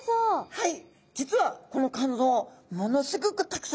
はい。